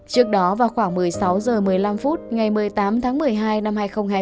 trước đó vào khoảng một mươi sáu h một mươi năm phút ngày một mươi tám tháng một mươi hai năm hai nghìn hai mươi